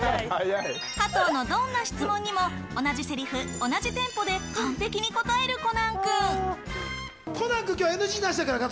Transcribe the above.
加藤のどんな質問にも同じセリフ、同じテンポで完璧に答えるコナンくん。